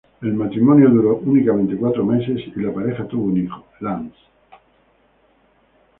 El matrimonio duró únicamente cuatro meses, y la pareja tuvo un hijo, Lance.